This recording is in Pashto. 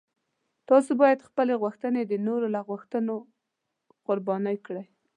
تاسو باید خپلې غوښتنې د نورو له غوښتنو قرباني کړئ.